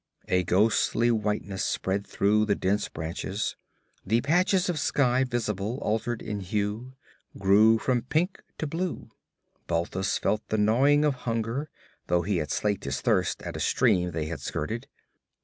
A ghostly whiteness spread through the dense branches; the patches of sky visible altered in hue, grew from pink to blue. Balthus felt the gnawing of hunger, though he had slaked his thirst at a stream they had skirted.